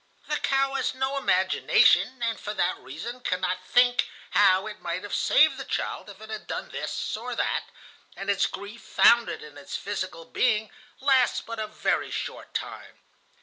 The cow has no imagination, and for that reason cannot think how it might have saved the child if it had done this or that, and its grief, founded in its physical being, lasts but a very short time.